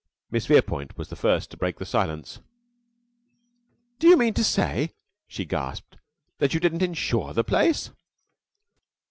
Miss Verepoint was the first to break the silence. "Do you mean to say," she gasped, "that you didn't insure the place?"